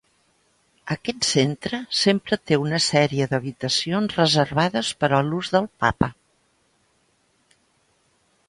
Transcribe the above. Aquest centre sempre té una sèrie d'habitacions reservades per a l'ús del papa.